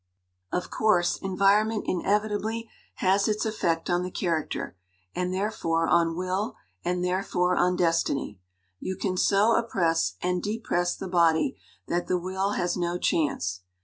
"Of course, environment inevitably has its effect on the character, and, therefore, on will, and, therefore, on destiny. You can so oppress and depress the body that the will has no chance.